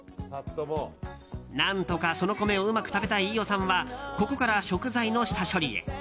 何とか、その米をうまく食べたい飯尾さんはここから食材の下処理へ。